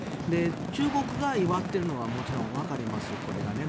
中国が返還を祝っているのはもちろん、分かります。